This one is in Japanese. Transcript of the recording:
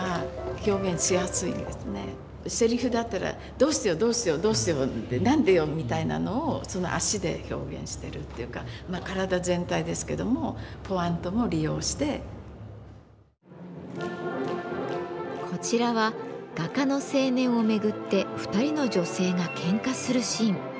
セリフだったら「どうしてよどうしてよどうしてよ何でよ」みたいなのを足で表現してるこちらは画家の青年を巡って２人の女性がけんかするシーン。